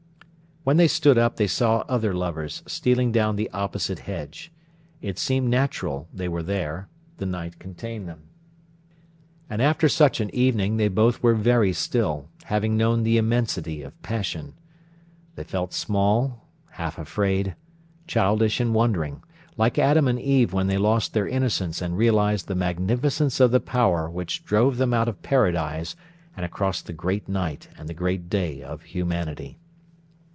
When they stood up they saw other lovers stealing down the opposite hedge. It seemed natural they were there; the night contained them. And after such an evening they both were very still, having known the immensity of passion. They felt small, half afraid, childish and wondering, like Adam and Eve when they lost their innocence and realised the magnificence of the power which drove them out of Paradise and across the great night and the great day of humanity.